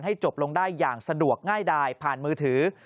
จบลงได้อย่างสะดวกง่ายดายผ่านมือถือ